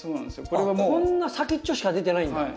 こんな先っちょしか出てないんだ。